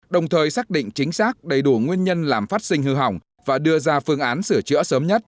đồng thời xác định chính xác đầy đủ nguyên nhân làm phát sinh hư hỏng và đưa ra phương án sửa chữa sớm nhất